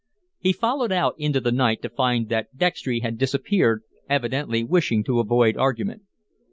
He followed out into the night to find that Dextry had disappeared, evidently wishing to avoid argument.